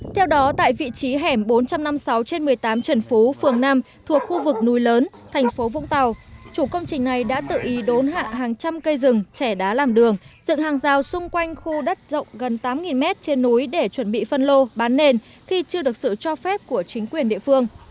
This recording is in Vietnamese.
theo đó tại vị trí hẻm bốn trăm năm mươi sáu trên một mươi tám trần phú phường năm thuộc khu vực núi lớn thành phố vũng tàu chủ công trình này đã tự ý đốn hạ hàng trăm cây rừng trẻ đá làm đường dựng hàng rào xung quanh khu đất rộng gần tám mét trên núi để chuẩn bị phân lô bán nền khi chưa được sự cho phép của chính quyền địa phương